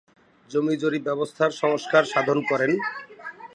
জমি জরিপ ব্যবস্থার সংস্কার সাধন করেন।